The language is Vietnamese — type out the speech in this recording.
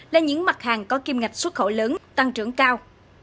là những mặt hàng có kim ngạch xuất khẩu lớn tăng trưởng cao